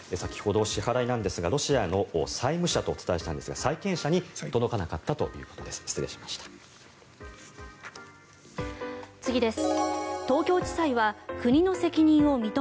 先ほどの話でロシアの債務者とお伝えしたんですが債権者に届かなかったということです。